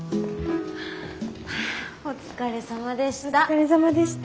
お疲れさまでした。